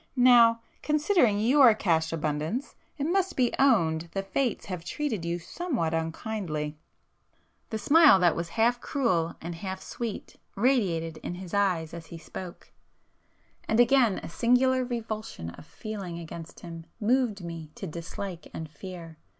Now, considering your cash abundance, it must be owned the fates have treated you somewhat unkindly!" [p 443]The smile that was half cruel and half sweet radiated in his eyes as he spoke,—and again a singular revulsion of feeling against him moved me to dislike and fear.